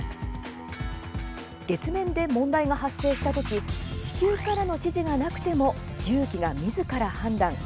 月面で問題が発生した時地球からの指示がなくても重機がみずから判断。